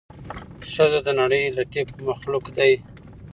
ښځه د نړۍ لطيف مخلوق دې